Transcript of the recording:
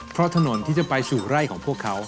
เพราะถนนที่จะไปสู่ไร่ของพวกเขา